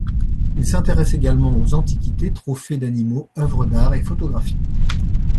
Il s’intéresse également aux antiquités, trophées d’animaux, œuvres d’art, et photographies.